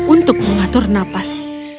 untuk mengatur nafas